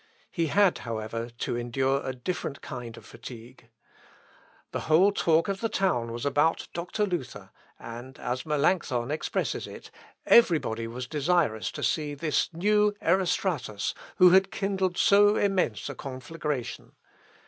He had, however, to endure a different kind of fatigue. The whole talk of the town was about Dr. Luther, and, as Melancthon expresses it, every body was desirous to see "this new Erostratus, who had kindled so immense a conflagration."